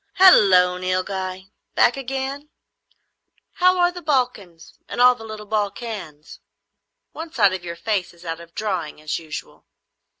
"Halloo, Nilghai. Back again? How are the Balkans and all the little Balkans? One side of your face is out of drawing, as usual."